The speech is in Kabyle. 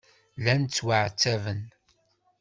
Llan ttwaɛettaben.